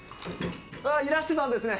いらしてたんですね！